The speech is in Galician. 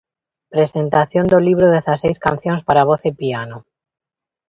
Presentación do libro "Dezaseis cancións para voz e piano".